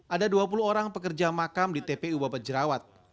ada dua puluh orang pekerja makam di tpu babat jerawat